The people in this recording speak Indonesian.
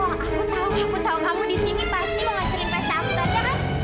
aku tahu aku tahu kamu di sini pasti menghancurin pesta amat kan